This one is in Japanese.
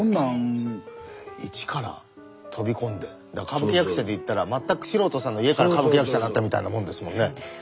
歌舞伎役者で言ったら全く素人さんの家から歌舞伎役者になったみたいなもんですもんね。